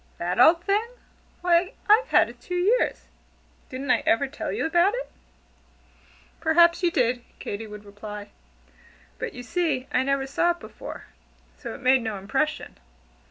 "That old thing! Why, I've had it two years. Didn't I ever tell you about it?" "Perhaps you did," Katy would reply, "but you see I never saw it before, so it made no impression."